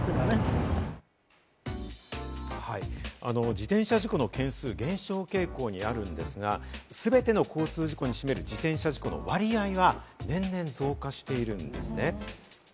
自転車事故の件数、減少傾向にあるんですが、すべての交通事故に占める自転車事故の割合は年々増加しているんです。